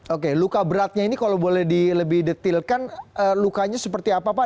oke luka beratnya ini kalau boleh dilebih detilkan lukanya seperti apa pak